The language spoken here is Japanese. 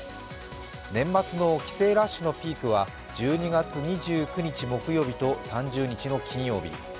年末の帰省ラッシュのピークは１２月２９日の木曜日と３０日の金曜日。